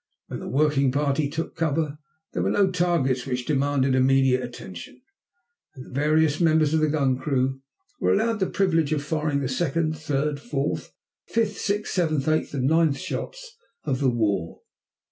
When the working party took cover there were no targets which demanded immediate attention, and the various members of the gun crew were allowed the privilege of firing the second, third, fourth, fifth, sixth, seventh, eighth, and ninth shots of the war.